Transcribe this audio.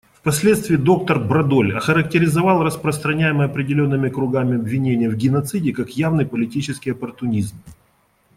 Впоследствии доктор Брадоль охарактеризовал распространяемые определенными кругами обвинения в геноциде как «явный политический оппортунизм».